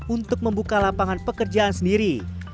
untuk membuka lapangan pekerjaan sendiri